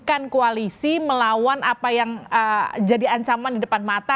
bukan koalisi melawan apa yang jadi ancaman di depan mata